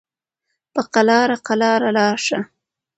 په قلاره قلاره راشه